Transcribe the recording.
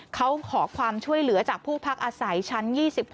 เขาขอความช่วยเหลือจากผู้พักอาศัยชั้น๒๖